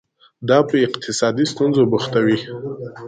دا په اقتصادي ستونزو بوختوي.